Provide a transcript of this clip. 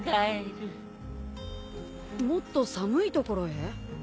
もっと寒いところへ？